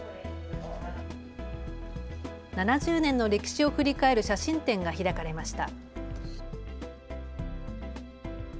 ７０年の歴史を振り返る写真展が開かれました。